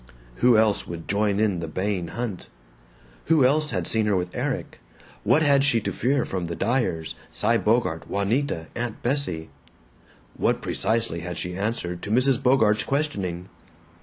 Who else would join in the baying hunt? Who else had seen her with Erik? What had she to fear from the Dyers, Cy Bogart, Juanita, Aunt Bessie? What precisely had she answered to Mrs. Bogart's questioning?